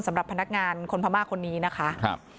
สำหรับพนักงานคนพม่าคนนี้นะคะ